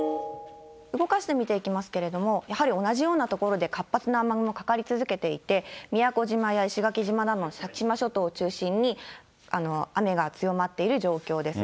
動かして見ていきますけれども、やはり同じような所で活発な雨雲、かかり続けていて、宮古島や石垣島などの先島諸島を中心に雨が強まっている状況です。